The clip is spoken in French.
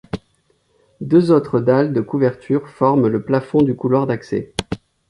Deux autres dalles de couvertures forment le plafond du couloir d'accès.